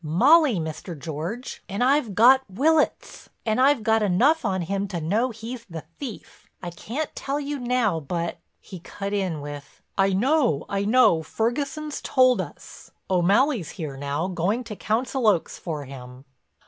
"Molly, Mr. George. And I've got Willitts—and I've got enough on him to know he's the thief—I can't tell you now but—" He cut in with: "I know, I know, Ferguson's told us. O'Malley's here now going to Council Oaks for him."